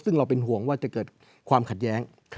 ซึ่งเราเป็นห่วงว่าจะเกิดความขัดแย้ง